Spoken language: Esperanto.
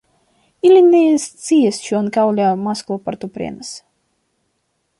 Oni ne scias ĉu ankaŭ la masklo partoprenas.